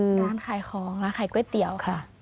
ร้านขายของร้านขายก๋วยเตี๋ยวค่ะ